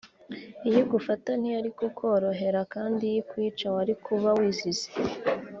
iyo igufata ntiyari kukorohera kandi iyo ikwica wari kuba wizize